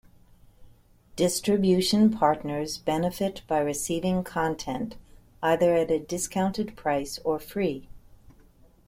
Distribution partners benefit by receiving content either at a discounted price, or free.